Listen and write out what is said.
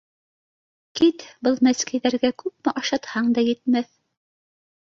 — Кит, был мәсекәйҙәргә күпме ашатһаң да етмәҫ!